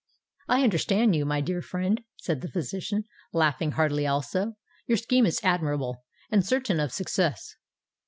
"I understand you, my dear friend," said the physician, laughing heartily also. "Your scheme is admirable and certain of success."